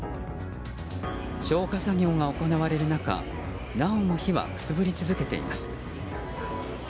消火作業が行われる中なおも火はくすぶり続けています。